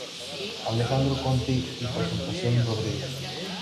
Alejandro Conti y Presentación Rodríguez.